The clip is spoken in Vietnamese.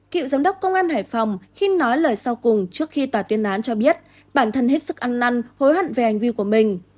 cựu giám đốc công an hải phòng khi nói lời sau cùng trước khi tòa tuyên án cho biết bản thân hết sức ăn năn hối hận về hành vi của mình